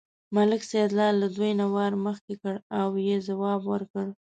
ملک سیدلال له دوی نه وار مخکې کړ او یې ځواب ورکړ.